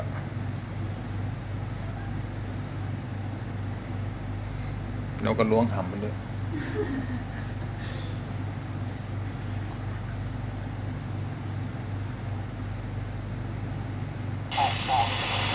แล้วก็ล่วงทำด้วย